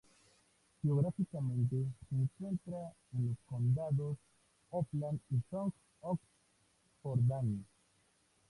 Geográficamente, se encuentra en los condados Oppland y Sogn og Fjordane.